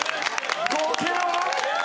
合計は？